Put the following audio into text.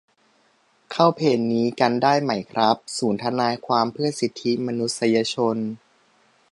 เข้าเพจนี้กันได้ไหมครับ ศูนย์ทนายความเพื่อสิทธิมนุษยชน